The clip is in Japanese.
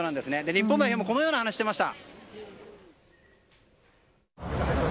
日本の選手もこのような話をしていました。